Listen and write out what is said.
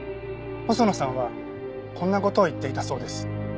細野さんはこんな事を言っていたそうです。